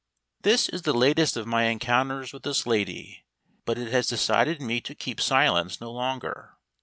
This is the latest of my encounters with this lady, but it has decided me to keep silence no longer.